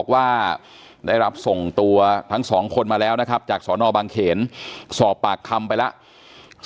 ว่าได้รับส่งตัวทั้งสองคนมาแล้วนะครับจากสนบางเขนสอบปากคำไปแล้ว